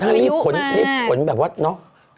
อยากรีบขนแบบว่าเนาะ